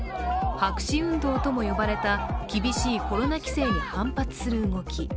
白紙運動とも呼ばれた厳しいコロナ規制に反発する動き。